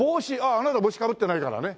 あなた帽子かぶってないからね。